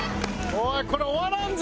おいこれ終わらんぞ！